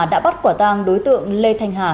đã bắt quả tàng đối tượng lê thanh hà